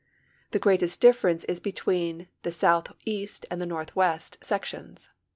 The greatest diflference is between the southeast and northwest sections.